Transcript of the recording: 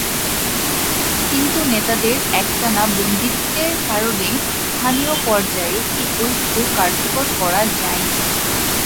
কিন্তু নেতাদের একটানা বন্দিত্বের কারণে স্থানীয় পর্যায়ে এ ঐক্য কার্যকর করা যায় নি।